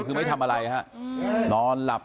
คือไม่ได้ทำอะไรนะครับนอนหลับ